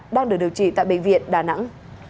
đang được điều trị tại bệnh viện đà nẵng